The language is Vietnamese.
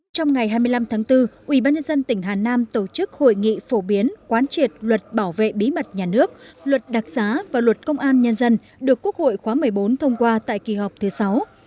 trong ngày hai mươi năm tháng bốn ubnd tỉnh hà nam tổ chức hội nghị phổ biến quán triệt luật bảo vệ bí mật nhà nước luật đặc giá và luật công an nhân dân được quốc hội khóa một mươi bốn thông qua tại kỳ họp thứ sáu